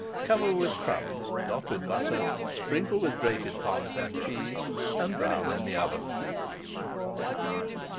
Cover with crumbs, dot with butter, sprinkle with grated Parmesan cheese, and brown in the oven.